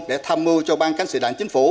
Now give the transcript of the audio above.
để tham mưu cho ban cánh sử đảng chính phủ